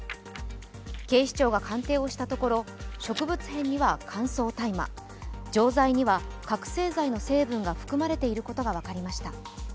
警視庁が鑑定をしたところ、植物片には乾燥大麻錠剤には覚醒剤の成分が含まれていることが分かりました。